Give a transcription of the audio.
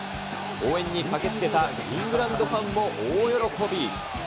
応援に駆けつけたイングランドファンも大喜び。